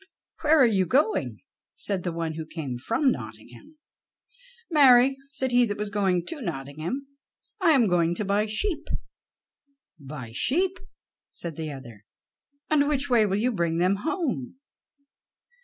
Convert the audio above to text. "Where are you going?" said the one who came from Nottingham. "Marry," said he that was going to Nottingham, "I am going to buy sheep." "Buy sheep?" said the other, "and which way will you bring them home?"